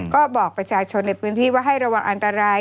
ก็บอกประชาชนในพื้นที่ว่าให้ระวังอันตราย